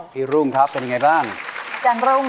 รุ่งครับเป็นยังไงบ้าง